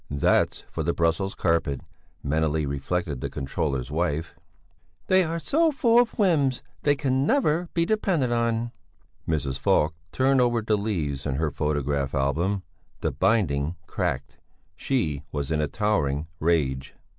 That's for the Brussels carpet, mentally reflected the controller's wife. "They are so full of whims, they can never be depended on." Mrs. Falk turned over the leaves in her photograph album; the binding cracked; she was in a towering rage.